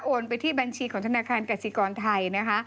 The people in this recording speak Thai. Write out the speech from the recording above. ไปที่บัญชีของธนาคารกสิกรไทยนะคะ